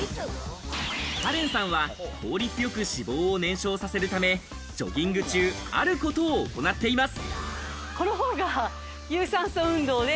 カレンさんは、効率よく脂肪を燃焼させるためジョギング中あることを行っています。